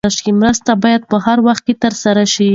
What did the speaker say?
مرسته باید په وخت ترسره شي.